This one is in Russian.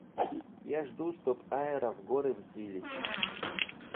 Я жду, чтоб аэро в горы взвились.